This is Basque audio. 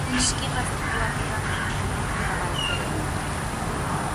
Whiski gazituak edan konortea galtzeraino.